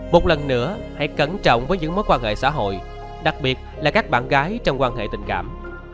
một lần nữa hãy cẩn trọng với những mối quan hệ xã hội đặc biệt là các bạn gái trong quan hệ tình cảm